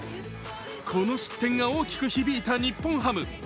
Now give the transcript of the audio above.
この失点が大きく響いた日本ハム。